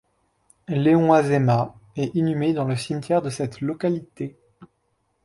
Léon Azéma est inhumé dans le cimetière de cette localité.